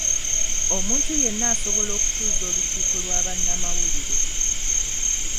Omuntu yenna asobola okutuuza olukiiko lwa bannamawulire.